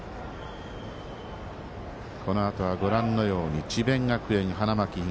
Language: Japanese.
このあとはご覧のように智弁学園、花巻東。